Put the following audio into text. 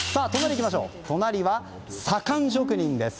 隣は、左官職人です。